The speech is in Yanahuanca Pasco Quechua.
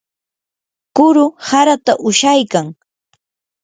kuru harata ushaykan.